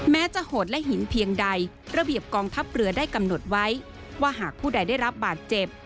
แม้จะโหดและหินเพียงใดระเบียบกองทัพเรือได้กำหนดไว้ว่าหากผู้ใดได้รับบาดเจ็บ